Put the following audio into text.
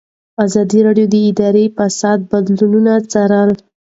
ازادي راډیو د اداري فساد بدلونونه څارلي.